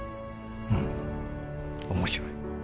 うん面白い。